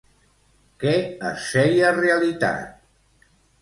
Què es feia realitat?